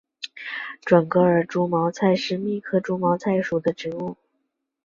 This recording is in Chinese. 准噶尔猪毛菜是苋科猪毛菜属的植物。